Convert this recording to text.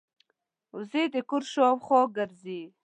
وزې د کور شاوخوا ګرځي